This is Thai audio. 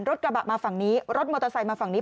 รถกระบะมาฝั่งนี้รถมอเตอร์ไซค์มาฝั่งนี้